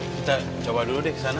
kita coba dulu deh kesana